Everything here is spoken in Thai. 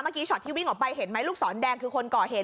ช็อตที่วิ่งออกไปเห็นไหมลูกศรแดงคือคนก่อเหตุ